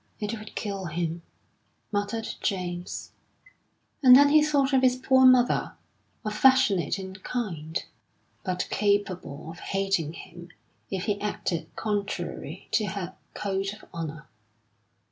"It would kill him," muttered James. And then he thought of his poor mother, affectionate and kind, but capable of hating him if he acted contrary to her code of honour.